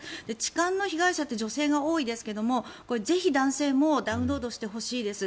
痴漢の被害者って女性が多いですがぜひ男性もダウンロードしてほしいです。